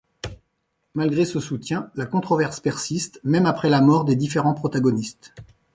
Malgré ce soutien, la controverse persiste, même après la mort des différents protagonistes.